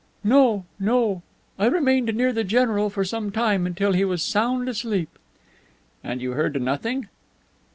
"No, no; I remained near the general for some time, until he was sound asleep." "And you heard nothing?"